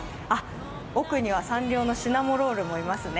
奥にはサンリオのシナモロールもいますね。